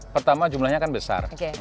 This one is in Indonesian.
pertama jumlahnya kan besar